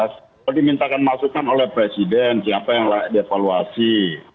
kalau dimintakan masukkan oleh presiden siapa yang di evaluasi